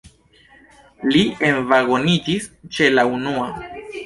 Li envagoniĝis ĉe la unua.